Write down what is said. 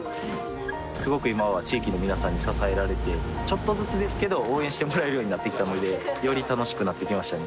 すごく今は地域の皆さんに支えられてちょっとずつですけど応援してもらえるようになってきたのでより楽しくなってきましたね